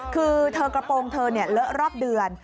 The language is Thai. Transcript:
คือเธอกระโปรงเธอเลอะรอบเดือน